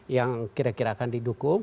yang kira kira akan didukung